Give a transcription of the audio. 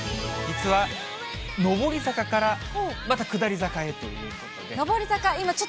実は、上り坂からまた下り坂へということで。